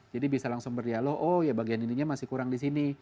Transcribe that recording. jadi bisa langsung berdialog oh ya bagian ininya masih kurang di sini